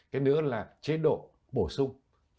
cái nữa là chế độ bổ sung